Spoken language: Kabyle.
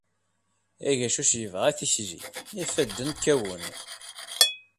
Agacuc yebɣa tikli, ifadden kkawen.